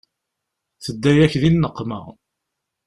Tedda-yak di nneqma.